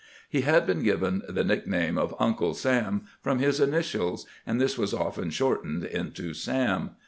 He had been given the nickname of * Uncle Sam ' from his initials, and this was often shortened into ' Sam.'